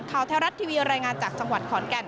แถวรัฐทีวีรายงานจากจังหวัดขอนแก่น